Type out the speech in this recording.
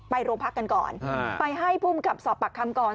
โรงพักกันก่อนไปให้ภูมิกับสอบปากคำก่อน